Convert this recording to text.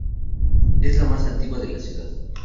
Es la más antigua de la ciudad.